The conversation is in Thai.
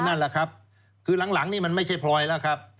นั่นแหละครับคือหลังนี่มันไม่ใช่พลอยแล้วครับ